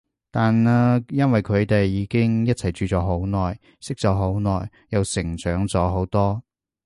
但呢因為佢哋已經一齊住咗好耐，識咗好耐，又成長咗好多